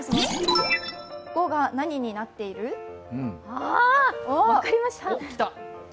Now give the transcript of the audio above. ああっ、分かりました。